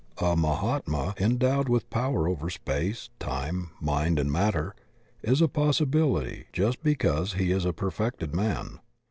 A Mahatma endowed with power over space, time, mind, and matter, is a possibility just because he is a perfected man.